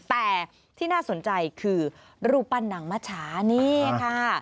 แต่ที่น่าสนใจคือรูปปั้นหนังมัชชานี่ค่ะ